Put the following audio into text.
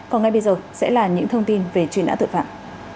còn ngay bây giờ sẽ là những thông tin về truy nã tội phạm